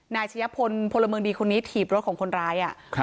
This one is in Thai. นายเฉยะพลพลเมิงดีคนนี้ถีบรถของคนร้ายอ่ะครับ